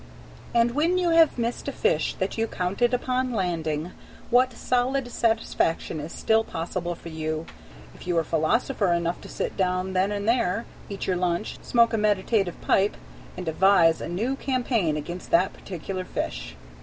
And when you have missed a fish that you counted upon landing, what solid satisfaction is still possible for you, if you are philosopher enough to sit down then and there, eat your lunch, smoke a meditative pipe, and devise a new campaign against that particular fish!